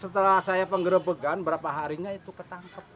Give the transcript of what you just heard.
setelah saya penggerebekan berapa harinya itu ketangkap